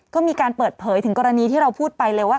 ก็มีการเปิดเผยถึงกรณีที่เราพูดไปเลยว่า